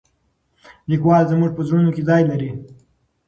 لیکوال زموږ په زړونو کې ځای لري.